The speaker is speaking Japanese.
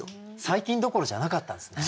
最近どころじゃなかったんですね。